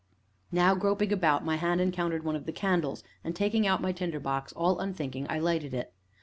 Now, groping about, my hand encountered one of the candles, and taking out my tinder box, all unthinking, I lighted it.